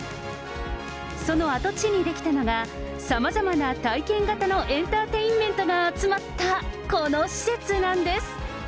その跡地に出来たのが、さまざまな体験型のエンターテインメントが集まった、この施設なんです。